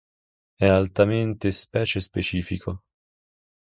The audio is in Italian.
È altamente specie-specifico.